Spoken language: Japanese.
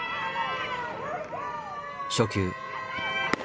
初球。